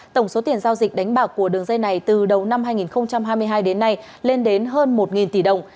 tổng số tiền giao dịch đánh bạc của đường dây này từ đầu năm hai nghìn hai mươi hai đến nay lên đến hơn một tỷ đồng